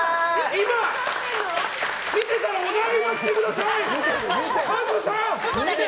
今、見てたらお台場来てください！